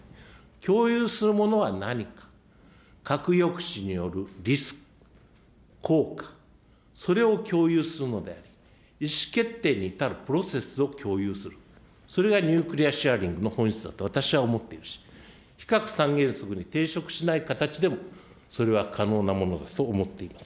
共有するものは何か、核抑止によるリスク、効果、それを共有するのであり、意思決定に至るプロセスを共有する、それがニュークリアシェアリングの本質だと私は思っているし、非核三原則に抵触しない形でも、それは可能なものだと思っています。